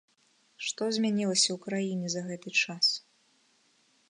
Што змянілася ў краіне за гэты час?